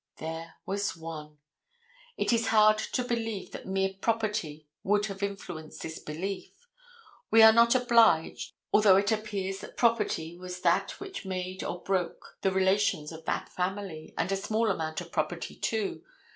There was one. It is hard to believe that mere property would have influenced this belief. We are not obliged to, although it appears that property was that which made or broke the relations of that family, and a small amount of property, too.